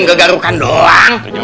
enggak garukan doang